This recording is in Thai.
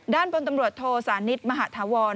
ด้านบนตำรวจโทสานิทมหาธาวร